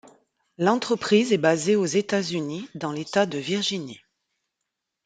L'entreprise est basée aux États-Unis, dans l'État de Virginie.